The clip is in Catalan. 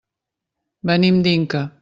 Venim d'Inca.